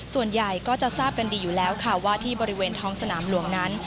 ส่วนใหญ่ก็จะทราบกันดีอยู่แล้วค่ะว่าที่บริเวณท้องสนามหลวงนั้น